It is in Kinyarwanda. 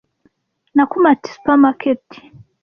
Nakumatt Supermarkets